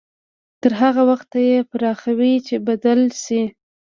تر هغه وخته يې پراخوي چې بدل شي.